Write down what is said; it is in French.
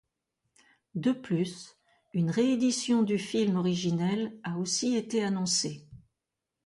De plus, une réédition du film originel a aussi été annoncée.